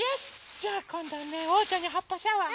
じゃあこんどはねおうちゃんにはっぱシャワーね。